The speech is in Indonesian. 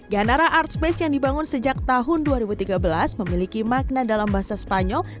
ganara artspace yang dibangun sejak tahun dua ribu tiga belas memiliki makna dalam bahasa spanyol